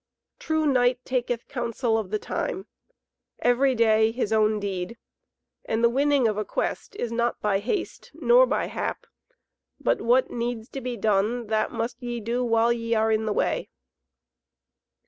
True knight taketh counsel of the time. Every day his own deed. And the winning of a quest is not by haste, nor by hap, but what needs to be done, that must ye do while ye are in the way."